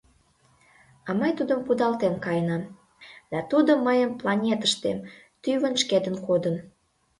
А мый тудым кудалтен каенам, да тудо мыйын планетыштем тӱвыт шкетын кодын!»